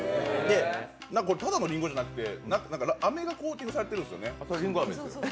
ただのりんごじゃなくて、飴がコーティングされてるんですよね。